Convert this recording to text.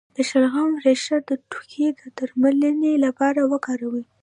د شلغم ریښه د ټوخي د درملنې لپاره وکاروئ